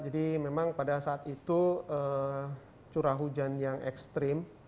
jadi memang pada saat itu curah hujan yang ekstrim